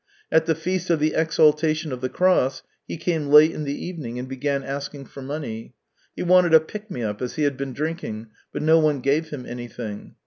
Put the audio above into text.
At the Feast of the Exaltation of the Cross he came late in the evening and began asking for money; he wanted a pick me up, as he had been drinking, but no one gave him anything.